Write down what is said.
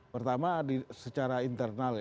pertama secara internal